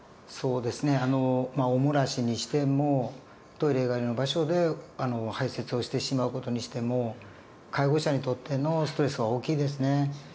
そうですねまあお漏らしにしてもトイレ以外の場所で排泄をしてしまう事にしても介護者にとってのストレスは大きいですね。